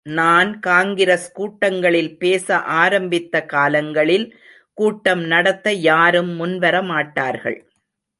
நான் காங்கிரஸ் கூட்டங்களில் பேச ஆரம்பித்த காலங்களில் கூட்டம் நடத்த யாரும் முன் வரமாட்டார்கள்.